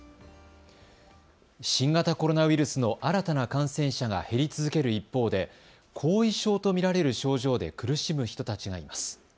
新型コロナウイルスの新たな感染者が減り続ける一方で後遺症と見られる症状で苦しむ人たちがいます。